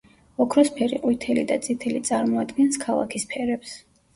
ოქროსფერი ყვითელი და წითელი წარმოადგენს ქალაქის ფერებს.